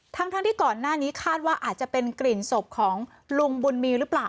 ทั้งที่ก่อนหน้านี้คาดว่าอาจจะเป็นกลิ่นศพของลุงบุญมีหรือเปล่า